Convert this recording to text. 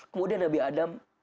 kemudian nabi adam